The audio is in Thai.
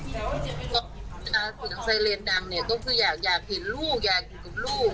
แล้วไซเรนดังเนี่ยก็คืออยากเห็นลูกอยากอยู่กับลูก